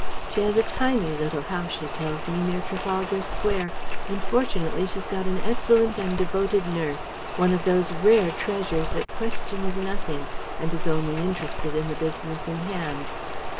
She has a tiny little house, she tells me, near Trafalgar Square, and fortunately she's got an excellent and devoted nurse, one of those rare treasures that questions nothing and is only interested in the business in hand.